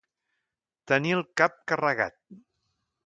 Tenir el cap carregat.